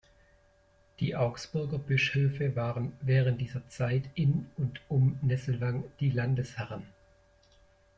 Die Augsburger Bischöfe waren während dieser Zeit in und um Nesselwang die Landesherren.